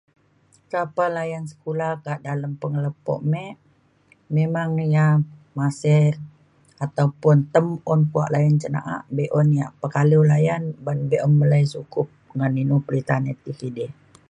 [unintelligible] layan sekula ka dalem pengelepok mik memang ya masih ataupun tem un po layan cen na'a be'un ya' pekaliu layan ban be'un balai sukup ngan inu perinta ya tai ti kidi